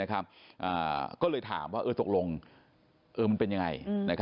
ก็เลยถามว่าตกลงมันเป็นยังไง